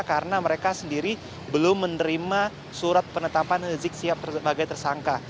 karena mereka sendiri belum menerima surat penetapan rizik syihab sebagai tersangka